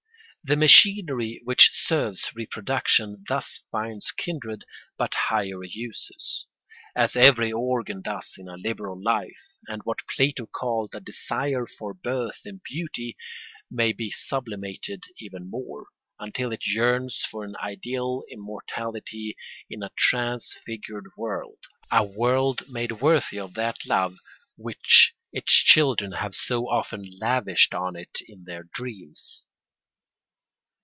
The machinery which serves reproduction thus finds kindred but higher uses, as every organ does in a liberal life; and what Plato called a desire for birth in beauty may be sublimated even more, until it yearns for an ideal immortality in a transfigured world, a world made worthy of that love which its children have so often lavished on it in their dreams.